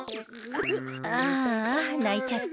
ああないちゃった。